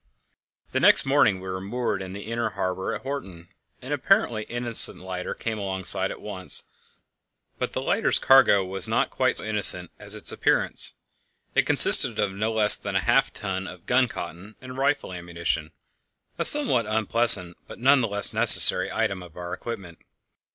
The next morning we were moored in the inner harbour at Horten. An apparently innocent lighter came alongside at once, but the lighter's cargo was not quite so innocent as its appearance. It consisted of no less than half a ton of gun cotton and rifle ammunition, a somewhat unpleasant, but none the less necessary, item of our equipment.